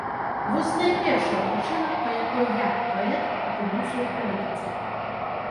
Вось найпершая прычына, па якой я, паэт, апынуўся ў палітыцы.